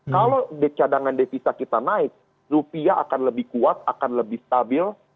kalau cadangan devisa kita naik rupiah akan lebih kuat akan lebih stabil